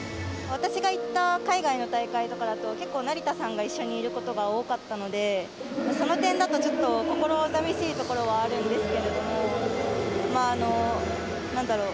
私が行った海外の大会とかだと結構、成田さんが一緒にいることが多かったのでその点だとちょっと心寂しいところはあるんですけれども。